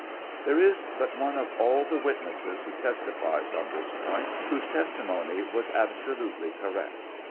There is but one of all the witnesses who testifies on this point, whose testi mony was absolutely correct.